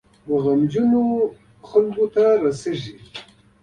غمجنو وګړو ته رسیږي.